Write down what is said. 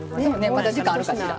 まだ時間あるかしら。